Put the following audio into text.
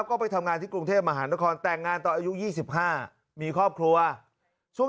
ก็ไปทำงานที่กรุงเทพมหานครแต่งงานตอนอายุ๒๕มีครอบครัวช่วง